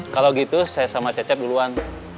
kalau gitu saya sama cecep duluan